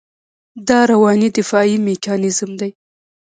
دا رواني دفاعي میکانیزم دی.